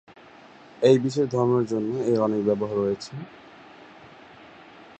এই বিশেষ ধর্মের জন্য এর অনেক ব্যবহার রয়েছে।